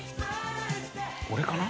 俺かな？